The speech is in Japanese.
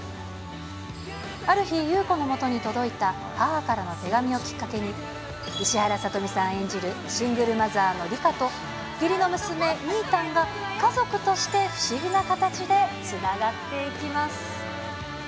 ある日、優子のもとに届いた母からの手紙をきっかけに、石原さとみさん演じるシングルマザーの梨花と、義理の娘、みぃたんが家族として不思議な形でつながっていきます。